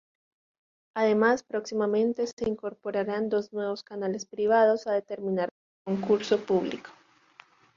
Además próximamente se incorporarán dos nuevos canales privados a determinar por concurso público.